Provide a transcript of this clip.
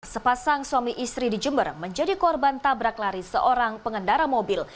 sepasang suami istri di jember menjadi korban tabrak lari seorang pengendara mobil